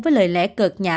với lời lẽ cực nhã